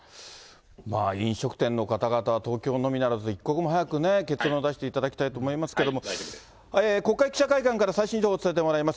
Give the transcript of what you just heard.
飲食店の方々は東京のみならず、一刻も早く結論を出していただきたいと思いますけども、国会記者会館から最新情報伝えてもらいます。